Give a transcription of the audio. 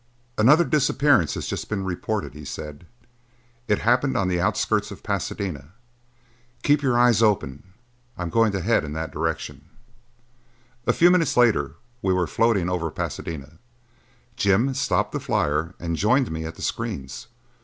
"Another disappearance has just been reported," he said. "It happened on the outskirts of Pasadena. Keep your eyes open: I'm going to head in that direction." A few minutes later we were floating over Pasadena. Jim stopped the flyer and joined me at the screens.